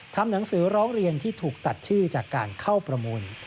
ทำหนังสือร้องเรียนที่ถูกตัดชื่อจากการเข้าประมูล